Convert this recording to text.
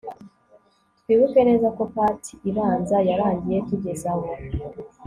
Twibuke neza ko part ibanza yarangiye tugeze aho